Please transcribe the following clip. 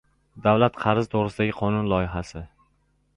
“Davlat qarzi to‘g‘risida"gi qonun loyihasi